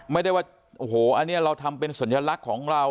ไม่ได้ว่าโอ้โหอันนี้เราทำเป็นสัญลักษณ์ของเรา